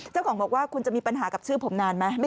เจ้าของบอกว่าคุณจะมีปัญหากับชื่อผมนานไหม